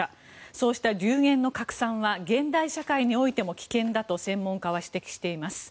そうした流言の拡散は現代社会においても危険だと専門家は指摘しています。